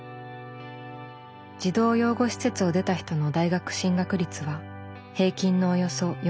児童養護施設を出た人の大学進学率は平均のおよそ４分の１。